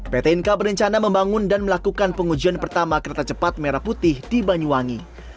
pt inka berencana membangun dan melakukan pengujian pertama kereta cepat merah putih di banyuwangi